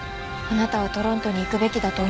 あなたはトロントに行くべきだと思う。